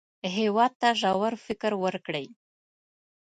هېواد ته ژور فکر ورکړئ